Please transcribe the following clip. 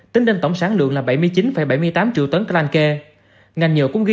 tính đến tổng sản lượng là bảy mươi chín bảy mươi tám triệu tấn kranke